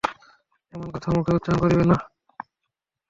এমন কথা মুখে উচ্চারণ করিবেন না।